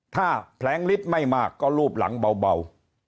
ถ้าแผลงฤทธิ์ไม่มากก็รูปหลังเบา